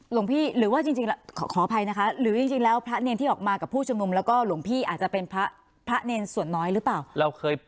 หลวงพี่หรือว่าจริงขออภัยนะคะหรือจริงแล้วพระเนรที่ออกมากับผู้ชุมนุมแล้วก็หลวงพี่อาจจะเป็นพระเนรส่วนน้อยหรือเปล่า